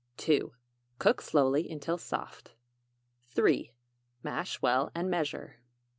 2. Cook slowly until soft. 3. Mash well and measure.